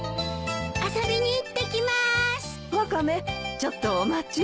ちょっとお待ち。